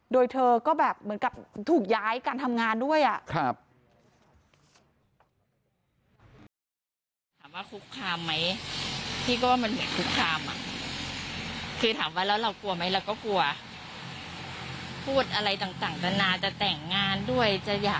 โดยเธอก็แบบเหมือนกับถูกย้ายการทำงานด้วย